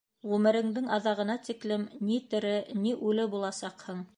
Ғүмереңдең аҙағына хәтлем ни тере, ни үле буласаҡһың!